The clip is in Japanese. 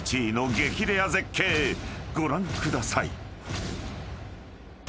レア絶景ご覧ください］